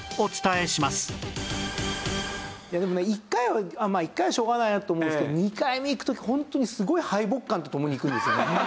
でもね１回はまあ１回はしょうがないなって思うんですけど２回目行く時ホントにすごい敗北感と共に行くんですよね。